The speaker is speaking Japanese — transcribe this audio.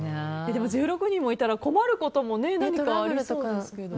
でも１６人もいたら困ることも何かありそうですけど。